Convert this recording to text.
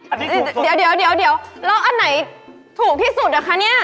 อันนี้เดี๋ยวแล้วอันไหนถูกที่สุดอะคะเนี่ย